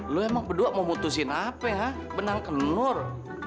lu emang berdua mau putusin apa ya benang kenur